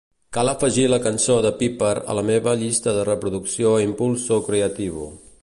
Cal afegir la cançó de Peeper a la meva llista de reproducció Impulso Creativo